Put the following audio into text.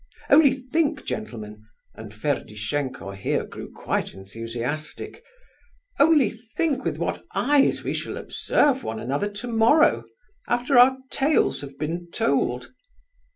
Only think, gentlemen,"—and Ferdishenko here grew quite enthusiastic, "only think with what eyes we shall observe one another tomorrow, after our tales have been told!"